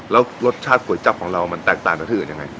แล้วรสชาติก๋วยจับของเรามันแตกต่างจากที่อื่นยังไง